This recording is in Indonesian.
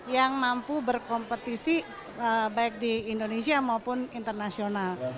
yang mampu berkompetisi baik di indonesia maupun internasional